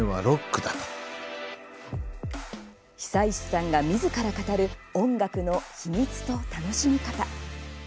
久石さんがみずから語る音楽の秘密と楽しみ方。